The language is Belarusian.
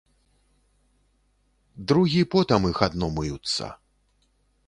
Другі потам іх адно мыюцца.